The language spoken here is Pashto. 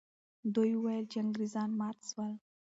دوی وویل چې انګریزان مات سول.